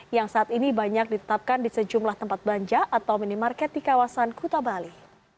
yang saat ini banyak ditetapkan di sejumlah tempat belanja atau minimarket di kawasan kuta bali